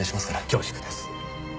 恐縮です。